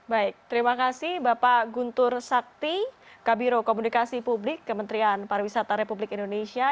baik terima kasih bapak guntur sakti kabiro komunikasi publik kementerian pariwisata republik indonesia